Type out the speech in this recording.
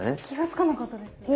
気が付かなかったです。